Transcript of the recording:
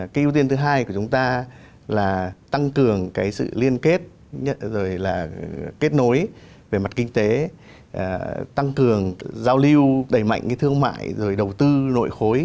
cái ưu tiên thứ hai của chúng ta là tăng cường cái sự liên kết rồi là kết nối về mặt kinh tế tăng cường giao lưu đẩy mạnh cái thương mại rồi đầu tư nội khối